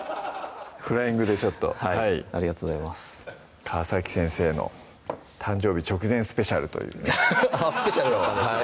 フライングでちょっとはいありがとうございます川先生の誕生日直前スペシャルというねアハハッスペシャルだったんですね